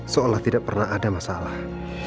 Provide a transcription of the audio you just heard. seolah tidak pernah ada masalah